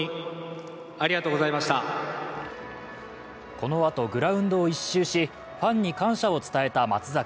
このあとグラウンドを１周し、ファンに感謝を伝えた松坂。